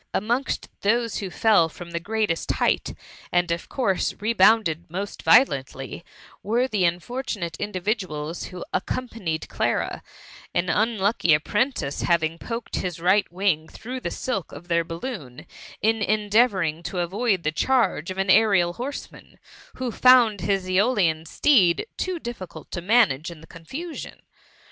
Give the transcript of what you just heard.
Amongst those who fell from the greatest height, and of course rebounded most violently, were the unfortunate individuals who accom panied Clara, an unlucky apprentice having poked his right wing through the alk of their balloon, in endeavouring to avoid the charge of an aerial horseman, who found his ^olian steed too difficult to manage in the confusion.